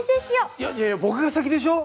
いやいや僕が先でしょ！